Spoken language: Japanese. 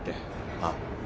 ああ。